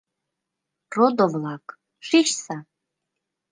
Родо-влак, шичса...